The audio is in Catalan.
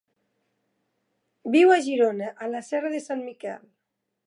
Viu a Girona, a la serra de Sant Miquel.